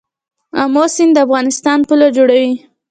امو سیند د افغانستان پوله جوړوي.